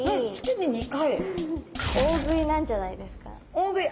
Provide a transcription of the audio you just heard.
大食い。